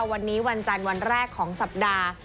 วันนี้วันจันทร์วันแรกของสัปดาห์